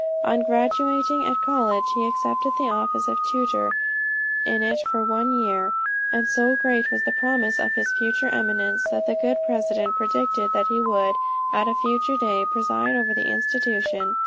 On graduating at college, he accepted the office of tutor in it for one year, and so great was the promise of his future eminence, that the good president predicted that he would, at a future day, preside over the institution.